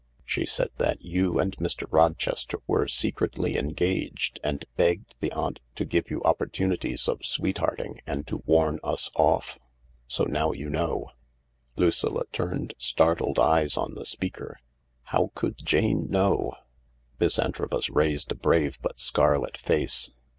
She said that you and Mr. Rochester were secretly engaged, and begged the aunt to give you opportunities of sweethearting and to warn us of£. So now you know !" 276 THE LARK Lucilla turned startled eyes on the speaker. How could Jane know ? Miss Antrobus raised a brave but scarlet face.